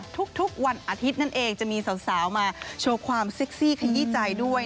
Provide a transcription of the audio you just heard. ทุกวันอาทิตย์นั่นเองจะมีสาวมาโชว์ความเซ็กซี่ขยี้ใจด้วย